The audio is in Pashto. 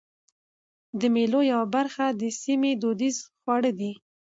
د مېلو یوه برخه د سیمي دودیز خواړه دي.